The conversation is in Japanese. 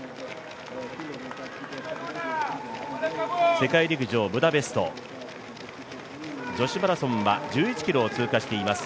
世界陸上ブダペスト女子マラソンは１１ｋｍを通過しています。